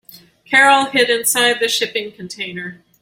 Carol hid inside the shipping container.